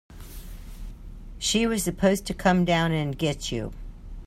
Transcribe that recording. She was supposed to come down and get you.